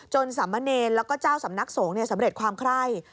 สามเณรแล้วก็เจ้าสำนักสงฆ์สำเร็จความไคร่